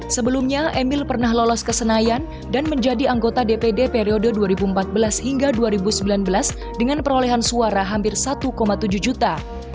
sebelumnya emil pernah lolos ke senayan dan menjadi anggota dpd periode dua ribu empat belas hingga dua ribu sembilan belas dengan perolehan suara hampir satu tujuh juta